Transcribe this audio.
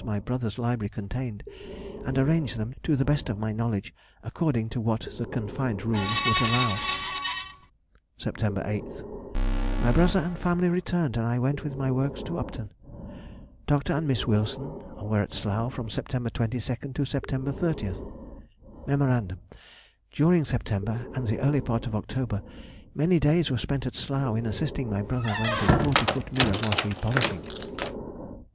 my brother's library contained, and arranged them, to the best of my knowledge, according to what the confined room would allow. [Sidenote: 1806 1807. Extracts from Diary.] September 8th.—My brother and family returned, and I went with my works to Upton. Dr. and Miss Wilson were at Slough from September 22nd to September 30th. Mem.—During September, and the early part of October, many days were spent at Slough in assisting my brother when the 40 foot mirror was re polishing.